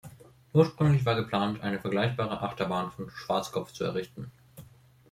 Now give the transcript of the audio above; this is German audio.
Ursprünglich war geplant eine vergleichbare Achterbahn von Schwarzkopf zu errichten.